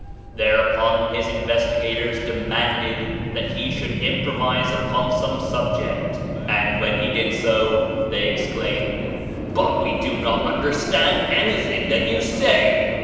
Thereupon his investigators demanded that he should improvise upon some subject, and when he did so, they exclaimed: "But we do not understand anything that you say